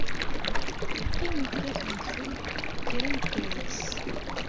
Yeqqim yekkat udfel kra yekka wass.